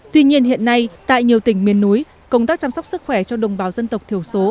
tuy nhiên hiện nay tại nhiều tỉnh miền núi công tác chăm sóc sức khỏe cho đồng bào dân tộc thiểu số